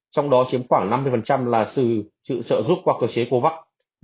trong đó chiếm khoảng năm mươi là sự trực sợ giúp qua cơ chế covid một mươi chín